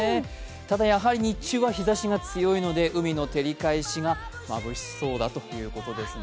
ただやはり日中は日ざしが強いので海の照り返しがまぶしそうだということですね。